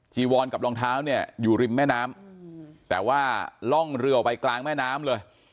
จีวอนกับรองเท้าเนี่ยอยู่ริมแม่น้ำแต่ว่าล่องเรือออกไปกลางแม่น้ำเลย